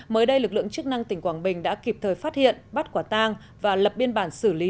mới đây lực lượng chức năng tỉnh quảng bình đã kịp thời phát hiện bắt quả tang và lập biên bản xử lý